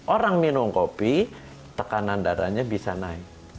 orang minum kopi tekanan darahnya bisa naik